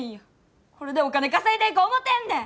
これでお金稼いでいこう思てんねん！